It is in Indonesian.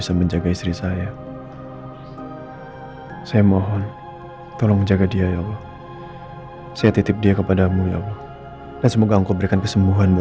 jangan jauh jauh biar kita bisa pantau